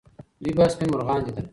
دوی به سپین مرغان لیدل.